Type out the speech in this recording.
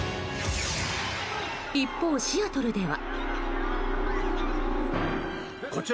一方、シアトルでは。